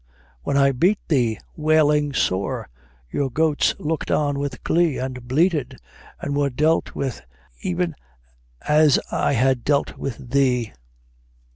When I beat thee, wailing sore; your goats looked on with glee, And bleated; and were dealt with e'en as I had dealt with thee."